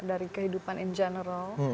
dari kehidupan in general